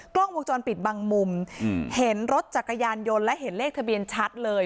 กล้องวงจรปิดบางมุมเห็นรถจักรยานยนต์และเห็นเลขทะเบียนชัดเลย